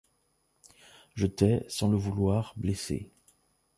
Je t’ai, sans le vouloir, blessée.